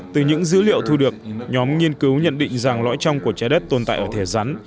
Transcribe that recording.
từ những dữ liệu thu được nhóm nghiên cứu nhận định rằng lõi trong của trái đất tồn tại ở thể rắn